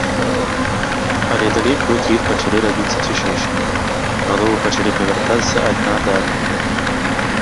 Але далей крокі іх пачалі рабіцца цішэйшымі, галовы пачалі павяртацца адна да другой.